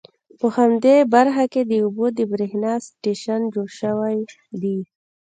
په همدې برخه کې د اوبو د بریښنا سټیشن جوړ شوي دي.